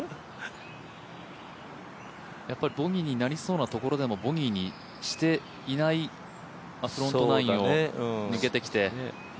ボギーになりそうなところでも、ボギーにしていない、フロントナインを抜けてきて。